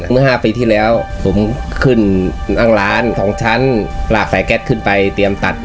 เมื่อ๕ปีที่แล้วผมขึ้นนั่งร้าน๒ชั้นลากสายแก๊สขึ้นไปเตรียมตัด